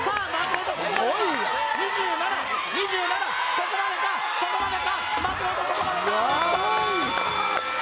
ここまでかここまでか松本ここまでかラストー！